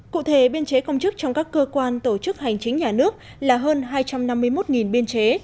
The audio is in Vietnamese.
cụ thể biên chế công chức trong các cơ quan tổ chức hành chính nhà nước là hơn hai trăm năm mươi một biên chế